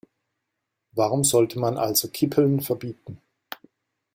Warum sollte man also Kippeln verbieten?